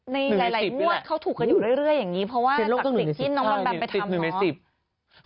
ในหลายงวดเขาถูกกันอยู่เรื่อยอย่างนี้เพราะว่าสิ่งที่น้องแบมแบมไปทำเนาะ